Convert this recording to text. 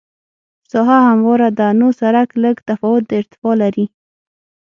ساحه همواره ده نو سرک لږ تفاوت د ارتفاع لري